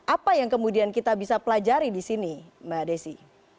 apa yang kemudian kita bisa pelajari di sini mbak desi